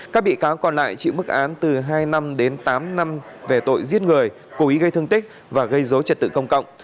các bị cáo còn lại chịu mức án từ hai năm đến tám năm về tội giết người cố ý gây thương tích và gây dối trật tự công cộng